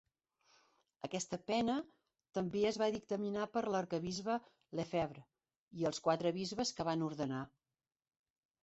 Aquesta pena també es va dictaminar per l'arquebisbe Lefebvre i els quatre bisbes que van ordenar.